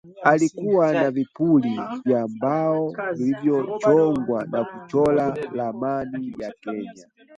Alikuwa na vipuli vya mbao vilivyochongwa na kuchora ramani ya Kenya